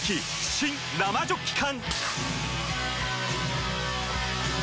新・生ジョッキ缶！